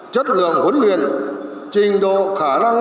chất lượng huấn luyện trình độ khả năng